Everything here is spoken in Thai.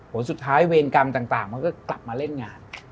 ผลสุดท้ายเวรกรรมต่างมันก็กลับมาเล่นงาน